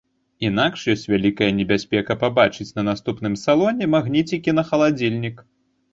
Інакш ёсць вялікая небяспека пабачыць на наступным салоне магніцікі на халадзільнік.